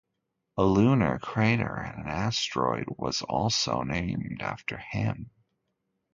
A lunar crater and an asteroid was also named after him.